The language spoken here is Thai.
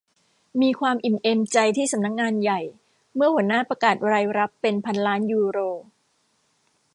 มีความอิ่มเอมใจที่สำนักงานใหญ่เมื่อหัวหน้าประกาศรายรับเป็นพันล้านยูโร